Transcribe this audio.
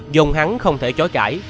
dùng hắn không thể chối cãi